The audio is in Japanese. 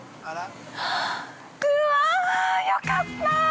うわ、よかった。